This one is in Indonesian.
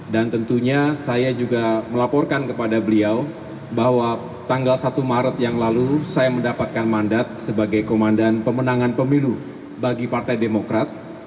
dan tentunya saya juga melaporkan kepada beliau bahwa tanggal satu maret yang lalu saya mendapatkan mandat sebagai komandan pemenangan pemilu bagi partai demokrat